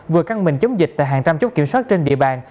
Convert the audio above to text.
vừa căng mình chống dịch tại hàng trăm chốt kiểm soát trên địa bàn